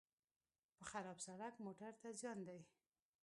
په خراب سړک موټر ته زیان دی.